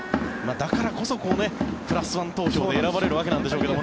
だからこそ、プラスワン投票で選ばれるわけなんでしょうけど。